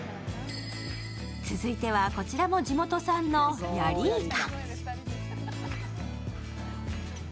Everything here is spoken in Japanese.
続いてはこちらも地元産のヤリイカ。